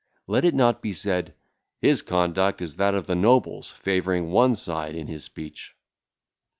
Let it not be said, 'His conduct is that of the nobles, favouring one side in his speech.'